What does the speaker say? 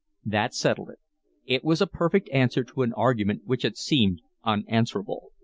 That settled it. It was a perfect answer to an argument which had seemed unanswerable.